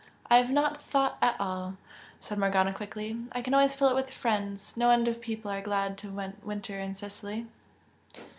"I have not thought at all" said Morgana, quickly, "I can always fill it with friends. No end of people are glad to winter in Sicily."